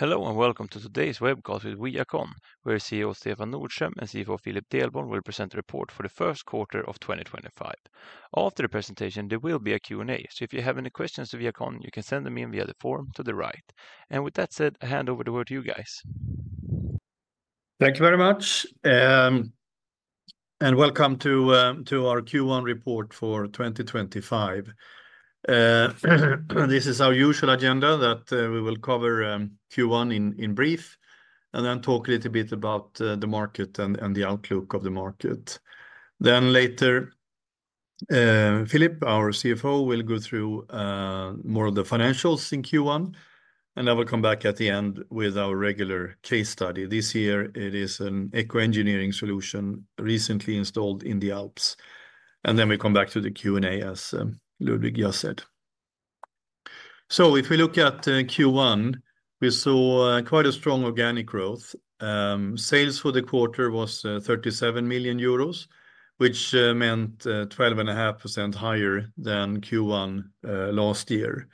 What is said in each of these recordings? Hello and welcome to today's web call with ViaCon, where CEO Stefan Nordström and CFO Philip Delborn will present a report for the first quarter of 2025. After the presentation, there will be a Q&A, so if you have any questions for ViaCon, you can send them in via the form to the right. With that said, I hand over the word to you guys. Thank you very much, and welcome to our Q1 report for 2025. This is our usual agenda that we will cover, Q1 in brief, and then talk a little bit about the market and the outlook of the market. Later, Philip, our CFO, will go through more of the financials in Q1, and I will come back at the end with our regular case study. This year, it is an eco-engineering solution recently installed in the Alps, and then we come back to the Q&A, as Ludwig just said. If we look at Q1, we saw quite a strong organic growth. Sales for the quarter was 37 million euros, which meant 12.5% higher than Q1 last year,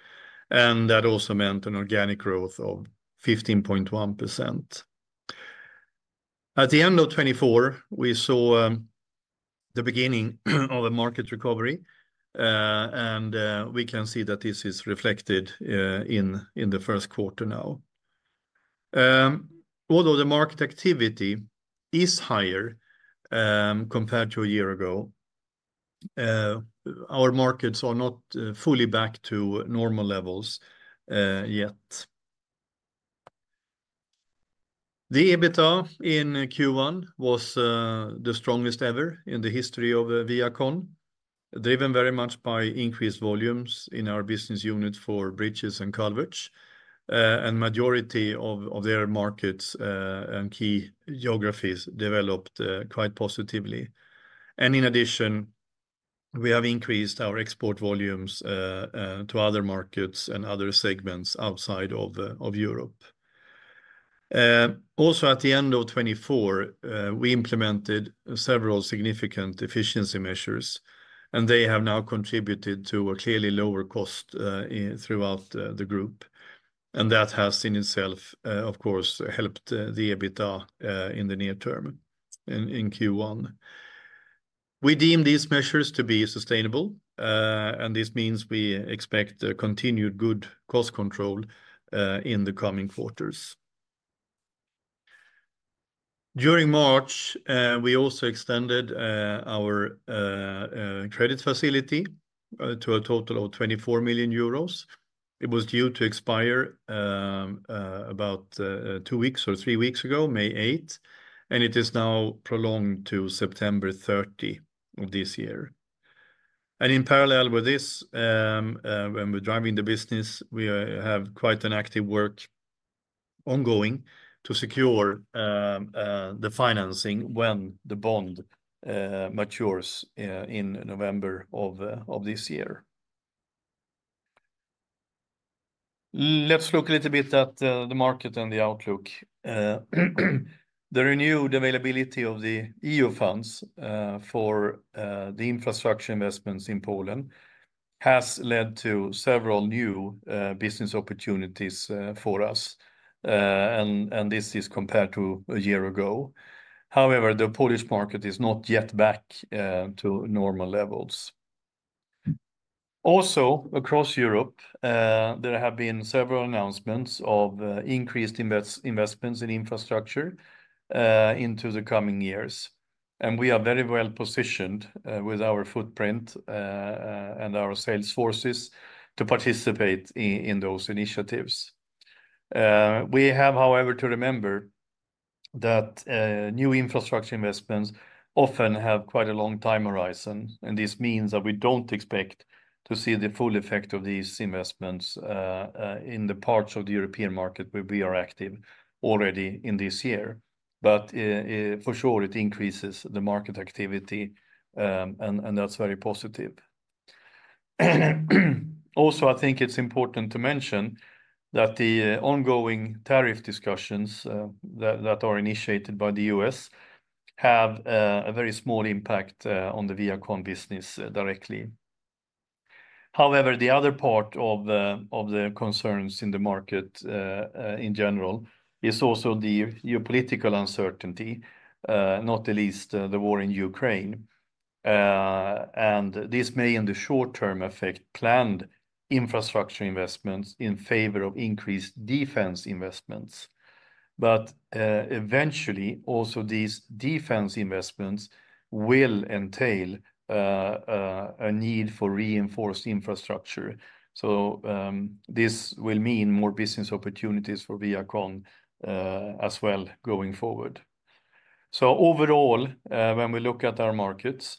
and that also meant an organic growth of 15.1%. At the end of 2024, we saw the beginning of a market recovery, and we can see that this is reflected in the first quarter now. Although the market activity is higher compared to a year ago, our markets are not fully back to normal levels yet. The EBITDA in Q1 was the strongest ever in the history of ViaCon, driven very much by increased volumes in our business unit for Bridges and Culverts, and the majority of their markets and key geographies developed quite positively. In addition, we have increased our export volumes to other markets and other segments outside of Europe. Also at the end of 2024, we implemented several significant efficiency measures, and they have now contributed to a clearly lower cost throughout the group, and that has in itself, of course, helped the EBITDA in the near term in Q1. We deem these measures to be sustainable, and this means we expect continued good cost control in the coming quarters. During March, we also extended our credit facility to a total of 24 million euros. It was due to expire about two weeks or three weeks ago, May 8th, and it is now prolonged to September 30th of this year. In parallel with this, when we're driving the business, we have quite an active work ongoing to secure the financing when the bond matures in November of this year. Let's look a little bit at the market and the outlook. The renewed availability of the E.U. funds for the infrastructure investments in Poland has led to several new business opportunities for us, and this is compared to a year ago. However, the Polish market is not yet back to normal levels. Also, across Europe, there have been several announcements of increased investments in infrastructure into the coming years, and we are very well positioned with our footprint and our sales forces to participate in those initiatives. We have, however, to remember that new infrastructure investments often have quite a long time horizon, and this means that we do not expect to see the full effect of these investments in the parts of the European market where we are active already in this year. For sure, it increases the market activity, and that is very positive. Also, I think it is important to mention that the ongoing tariff discussions that are initiated by the U.S. have a very small impact on the ViaCon business directly. However, the other part of the concerns in the market in general is also the geopolitical uncertainty, not the least the war in Ukraine. This may in the short term affect planned infrastructure investments in favor of increased defense investments. Eventually, also these defense investments will entail a need for reinforced infrastructure. This will mean more business opportunities for ViaCon as well going forward. Overall, when we look at our markets,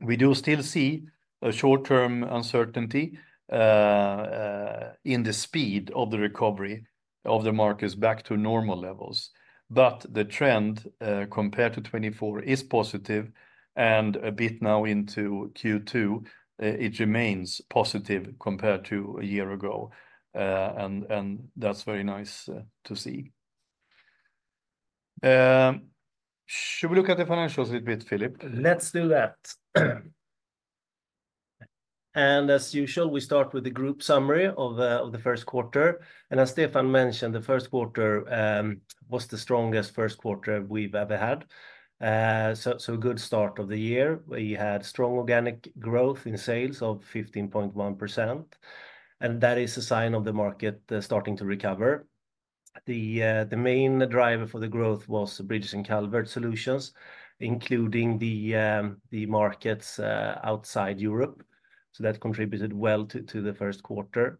we do still see a short-term uncertainty in the speed of the recovery of the markets back to normal levels. The trend, compared to 2024, is positive, and a bit now into Q2, it remains positive compared to a year ago, and that is very nice to see. Should we look at the financials a little bit, Philip? Let's do that. As usual, we start with the group summary of the first quarter. As Stefan mentioned, the first quarter was the strongest first quarter we have ever had, so a good start of the year. We had strong organic growth in sales of 15.1%, and that is a sign of the market starting to recover. The main driver for the growth was Bridges and Culverts Solutions, including the markets outside Europe. That contributed well to the first quarter.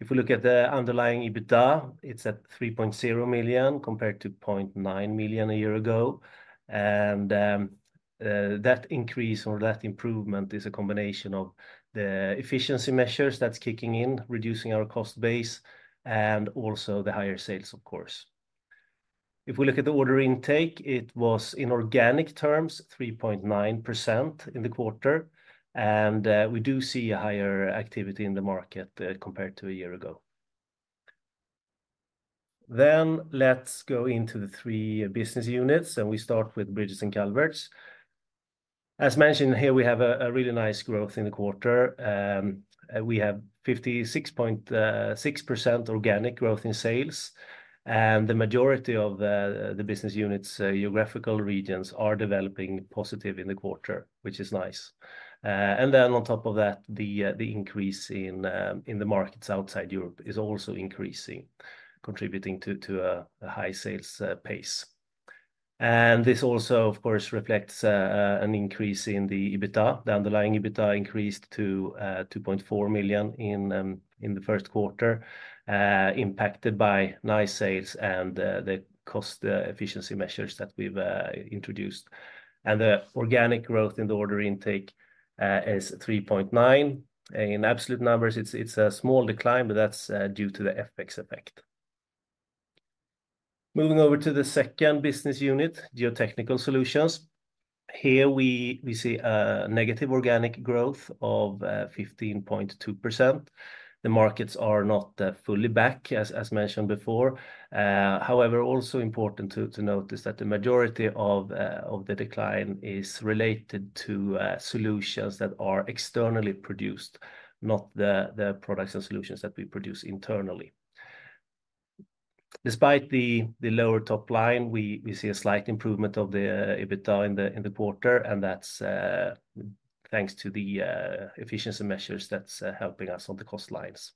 If we look at the underlying EBITDA, it is at 3.0 million compared to 0.9 million a year ago. That increase or that improvement is a combination of the efficiency measures that are kicking in, reducing our cost base, and also the higher sales, of course. If we look at the order intake, it was in organic terms 3.9% in the quarter, and we do see a higher activity in the market compared to a year ago. Let's go into the three business units, and we start with Bridges and Culverts. As mentioned here, we have a really nice growth in the quarter. We have 56.6% organic growth in sales, and the majority of the business units, geographical regions are developing positive in the quarter, which is nice. On top of that, the increase in the markets outside Europe is also increasing, contributing to a high sales pace. This also, of course, reflects an increase in the EBITDA. The underlying EBITDA increased to 2.4 million in the first quarter, impacted by nice sales and the cost efficiency measures that we've introduced. The organic growth in the order intake is 3.9%. In absolute numbers, it is a small decline, but that is due to the FX effect. Moving over to the second business unit, Geotechnical Solutions. Here we see a negative organic growth of 15.2%. The markets are not fully back as mentioned before. However, also important to notice that the majority of the decline is related to solutions that are externally produced, not the products and solutions that we produce internally. Despite the lower top line, we see a slight improvement of the EBITDA in the quarter, and that's thanks to the efficiency measures that's helping us on the cost lines.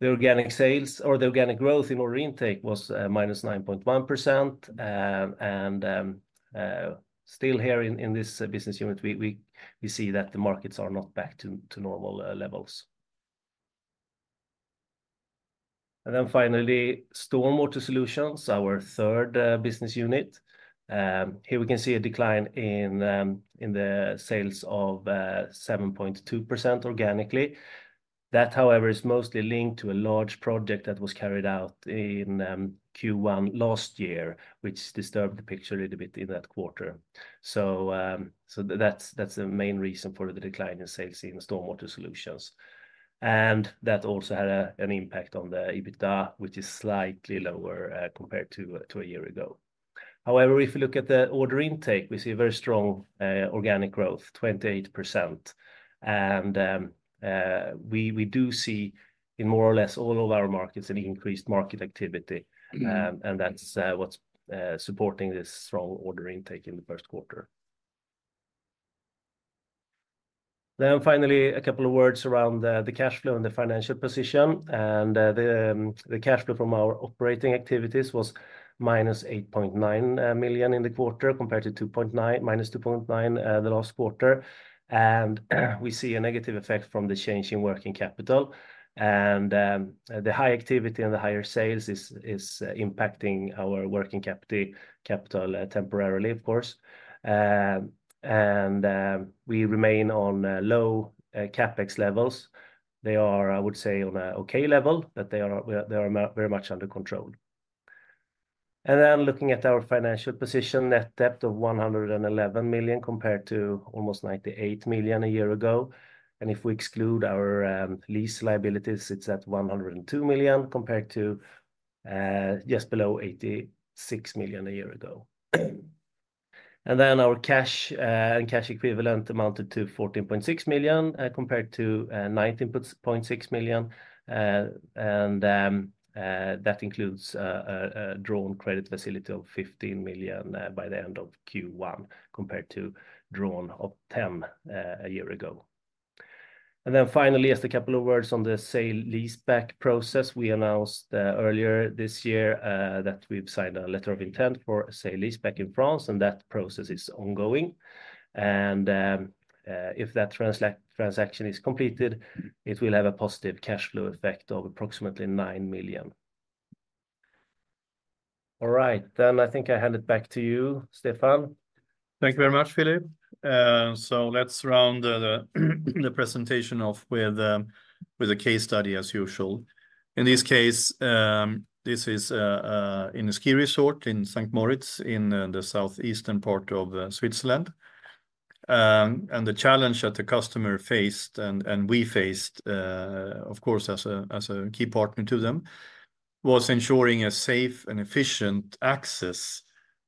The organic sales or the organic growth in order intake was -9.1%. Still here in this business unit, we see that the markets are not back to normal levels. Finally, Stormwater Solutions, our third business unit. Here we can see a decline in the sales of 7.2% organically. That, however, is mostly linked to a large project that was carried out in Q1 last year, which disturbed the picture a little bit in that quarter. That is the main reason for the decline in sales in Stormwater Solutions. That also had an impact on the EBITDA, which is slightly lower compared to years ago. However, if you look at the order intake, we see very strong organic growth, 28%. We do see in more or less all of our markets an increased market activity, and that is what is supporting this strong order intake in the first quarter. Finally, a couple of words around the cash flow and the financial position. The cash flow from our operating activities was -8.9 million in the quarter compared to -2.9 million the last quarter. We see a negative effect from the change in working capital. The high activity and the higher sales is impacting our working capital temporarily, of course. We remain on low CapEx levels. They are, I would say, on an okay level, but they are very much under control. Looking at our financial position, net debt of 111 million compared to almost 98 million a year ago. If we exclude our lease liabilities, it is at 102 million compared to just below 86 million a year ago. Our cash and cash equivalent amounted to 14.6 million, compared to 19.6 million. That includes a drawn credit facility of 15 million by the end of Q1 compared to drawn of 10 million a year ago. Finally, just a couple of words on the sale-leaseback process. We announced, earlier this year, that we've signed a letter of intent for a sale-leaseback in France, and that process is ongoing. If that transaction is completed, it will have a positive cash flow effect of approximately 9 million. All right, then I think I hand it back to you, Stefan. Thank you very much, Philip. Let's round the presentation off with a case study as usual. In this case, this is in a ski resort in St. Moritz in the southeastern part of Switzerland. The challenge that the customer faced, and we faced, of course, as a key partner to them, was ensuring a safe and efficient access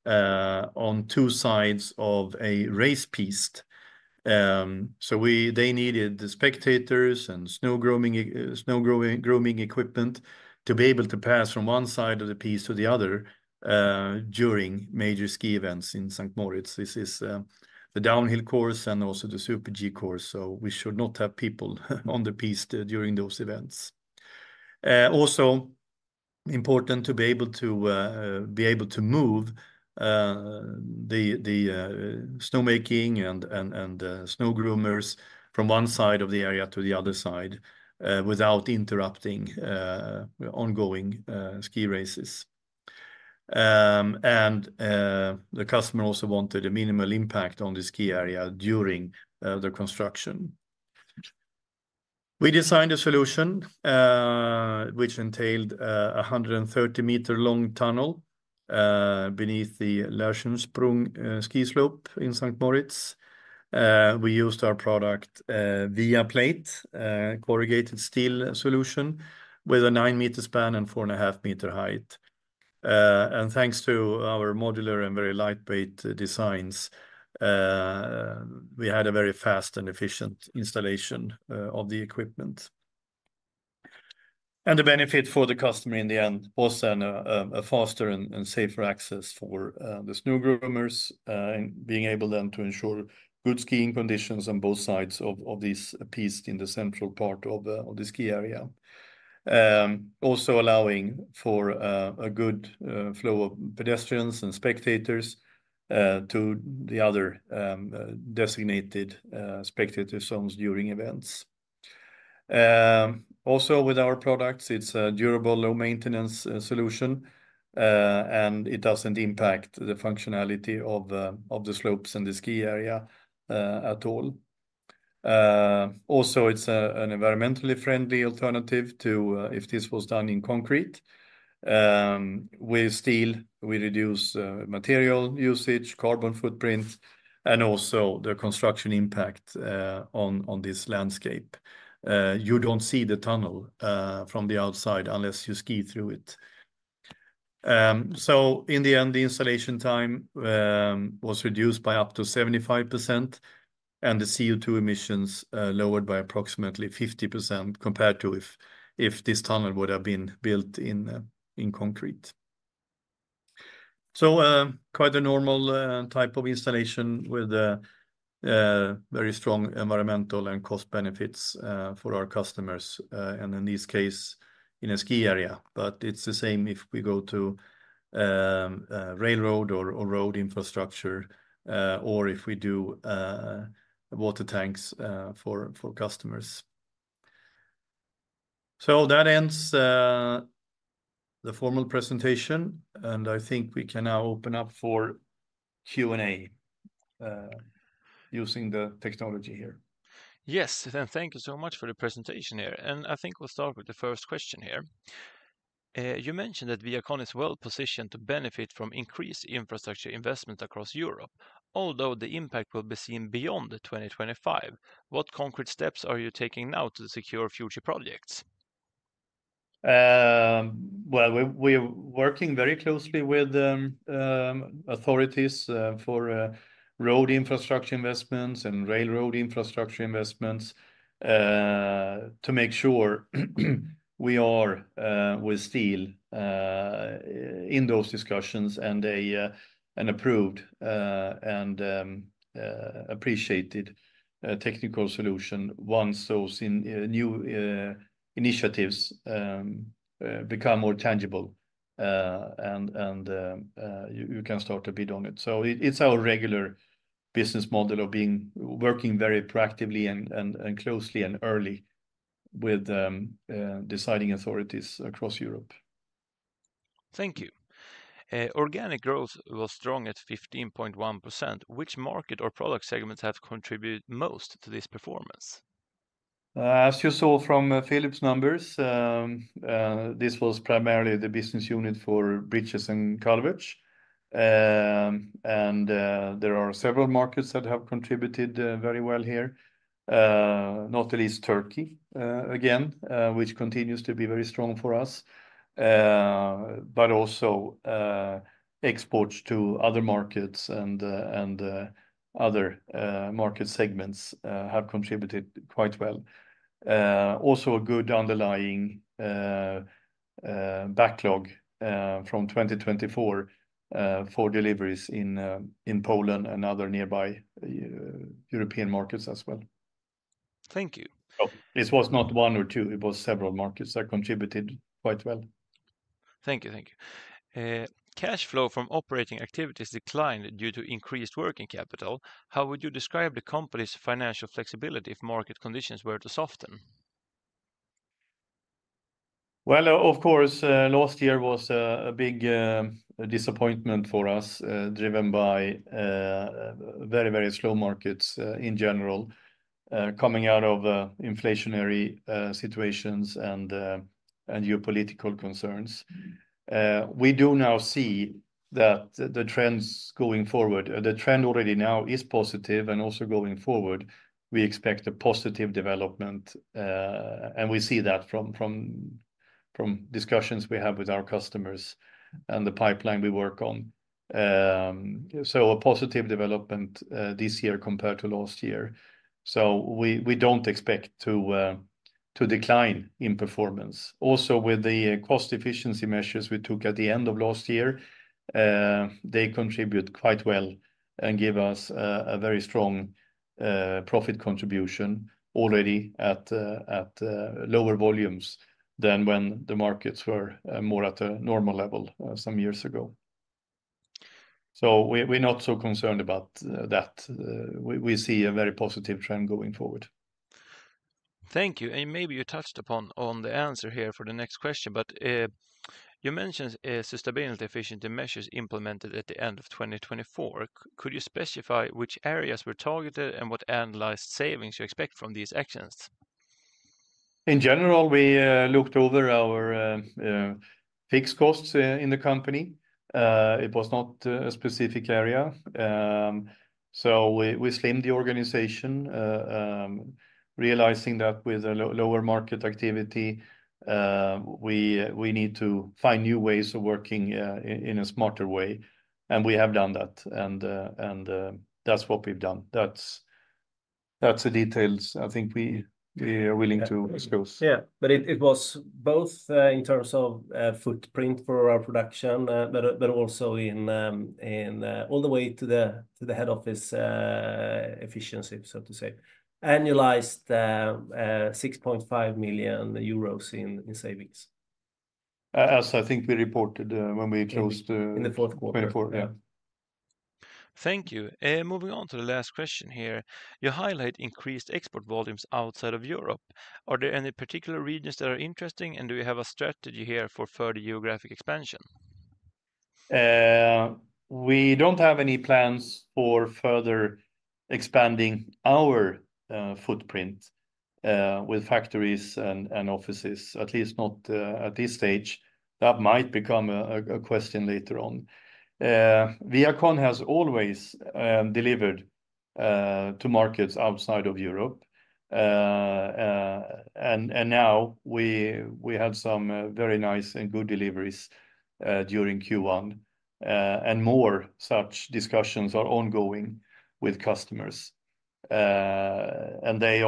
on two sides of a race piste. They needed the spectators and snow grooming equipment to be able to pass from one side of the piste to the other during major ski events in St. Moritz. This is the downhill course and also the Super-G course. We should not have people on the piste during those events. Also important to be able to move the snowmaking and snow groomers from one side of the area to the other side without interrupting ongoing ski races. The customer also wanted a minimal impact on the ski area during the construction. We designed a solution, which entailed a 130 meter long tunnel beneath the Lerschen Sprung ski slope in St. Moritz. We used our product, ViaPlate, corrugated steel solution with a 9 m span and 4.5 m height. Thanks to our modular and very lightweight designs, we had a very fast and efficient installation of the equipment. The benefit for the customer in the end was a faster and safer access for the snow groomers, and being able to ensure good skiing conditions on both sides of this piste in the central part of the ski area. Also allowing for a good flow of pedestrians and spectators to the other designated spectator zones during events. Also with our products, it's a durable, low maintenance solution, and it doesn't impact the functionality of the slopes and the ski area at all. Also it's an environmentally friendly alternative to if this was done in concrete. With steel, we reduce material usage, carbon footprint, and also the construction impact on this landscape. You don't see the tunnel from the outside unless you ski through it. In the end, the installation time was reduced by up to 75% and the CO2 emissions lowered by approximately 50% compared to if this tunnel would have been built in concrete. Quite a normal type of installation with very strong environmental and cost benefits for our customers, and in this case in a ski area. It is the same if we go to railroad or road infrastructure, or if we do water tanks for customers. That ends the formal presentation, and I think we can now open up for Q&A using the technology here. Yes, and thank you so much for the presentation here. I think we'll start with the first question here. You mentioned that ViaCon is well positioned to benefit from increased infrastructure investment across Europe, although the impact will be seen beyond 2025. What concrete steps are you taking now to secure future projects? We are working very closely with authorities for road infrastructure investments and railroad infrastructure investments to make sure we are, with steel, in those discussions and an approved and appreciated technical solution once those new initiatives become more tangible, and you can start to bid on it. It is our regular business model of being working very proactively and closely and early with deciding authorities across Europe. Thank you. Organic growth was strong at 15.1%. Which market or product segments have contributed most to this performance? As you saw from Philip's numbers, this was primarily the business unit for Bridges and Culverts. There are several markets that have contributed very well here, not the least Turkiye, which continues to be very strong for us. Also, exports to other markets and other market segments have contributed quite well. Also a good underlying backlog from 2024 for deliveries in Poland and other nearby European markets as well. Thank you. This was not one or two. It was several markets that contributed quite well. Thank you. Thank you. Cash flow from operating activities declined due to increased working capital. How would you describe the company's financial flexibility if market conditions were to soften? Last year was a big disappointment for us, driven by very, very slow markets in general, coming out of inflationary situations and geopolitical concerns. We do now see that the trends going forward, the trend already now is positive and also going forward, we expect a positive development, and we see that from discussions we have with our customers and the pipeline we work on. A positive development this year compared to last year. We do not expect to decline in performance. Also, with the cost efficiency measures we took at the end of last year, they contribute quite well and give us a very strong profit contribution already at lower volumes than when the markets were more at a normal level some years ago. We are not so concerned about that. We see a very positive trend going forward. Thank you. Maybe you touched upon the answer here for the next question, but you mentioned sustainability efficiency measures implemented at the end of 2024. Could you specify which areas were targeted and what analyzed savings you expect from these actions? In general, we looked over our fixed costs in the company. It was not a specific area. We slimmed the organization, realizing that with a lower market activity, we need to find new ways of working, in a smarter way. We have done that. That is what we have done. That is the details I think we are willing to disclose. Yeah, it was both, in terms of footprint for our production, but also in, all the way to the head office, efficiency, so to say, annualized, 6.5 million euros in savings. as I think we reported, when we closed the. In the fourth quarter. Quarter. Yeah. Thank you. Moving on to the last question here. You highlight increased export volumes outside of Europe. Are there any particular regions that are interesting and do you have a strategy here for further geographic expansion? We do not have any plans for further expanding our footprint with factories and offices, at least not at this stage. That might become a question later on. ViaCon has always delivered to markets outside of Europe, and now we had some very nice and good deliveries during Q1. More such discussions are ongoing with customers, and they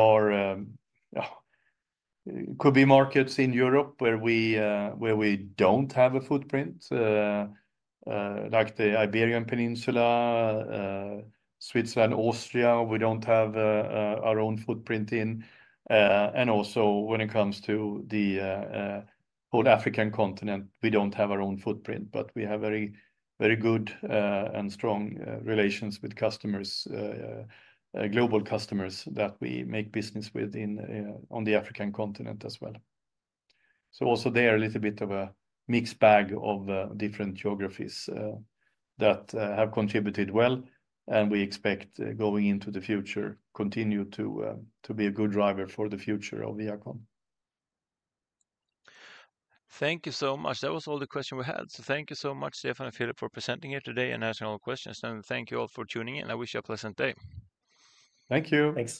could be markets in Europe where we do not have a footprint, like the Iberian Peninsula, Switzerland, Austria, we do not have our own footprint in. Also, when it comes to the whole African continent, we do not have our own footprint, but we have very, very good and strong relations with customers, global customers that we make business with on the African continent as well. Also there a little bit of a mixed bag of different geographies that have contributed well and we expect going into the future to continue to be a good driver for the future of ViaCon. Thank you so much. That was all the questions we had. Thank you so much, Stefan and Philip, for presenting here today and answering all questions. Thank you all for tuning in. I wish you a pleasant day. Thank you. Thanks.